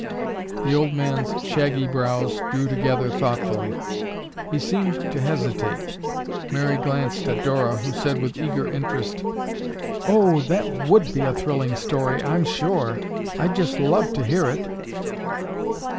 The old man's shaggy brows drew together thoughtfully. He seemed to hesitate. Mary glanced at Dora, who said with eager interest, "Oh, that would be a thrilling story, I'm sure. I'd just love to hear it."